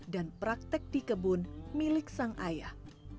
dan praktek di kebun milik sang ayah